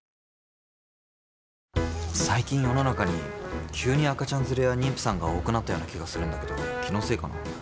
最近世の中に急に赤ちゃん連れや妊婦さんが多くなったような気がするんだけど気のせいかな？